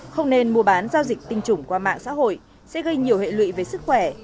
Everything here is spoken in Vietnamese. không nên mua bán giao dịch tinh trùng qua mạng xã hội sẽ gây nhiều hệ lụy về sức khỏe